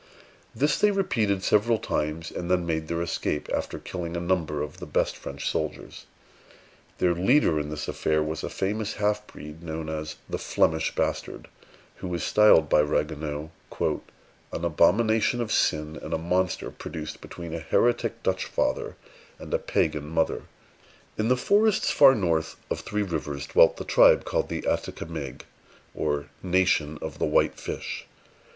This they repeated several times, and then made their escape, after killing a number of the best French soldiers. Their leader in this affair was a famous half breed, known as the Flemish Bastard, who is styled by Ragueneau "an abomination of sin, and a monster produced between a heretic Dutch father and a pagan mother." In the forests far north of Three Rivers dwelt the tribe called the Atticamegues, or Nation of the White Fish.